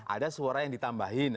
ada suara yang ditambahin